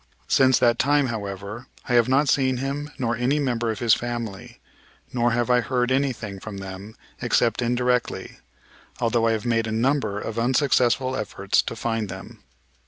Since that time, however, I have not seen him nor any member of his family, nor have I heard anything from them except indirectly, although I have made a number of unsuccessful efforts to find them.